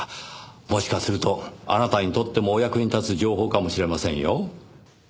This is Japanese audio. もしかするとあなたにとってもお役に立つ情報かもしれませんよ。